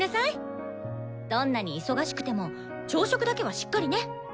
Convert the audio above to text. どんなに忙しくても朝食だけはしっかりね！